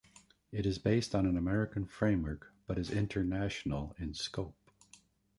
It is based on an American framework but is international in scope.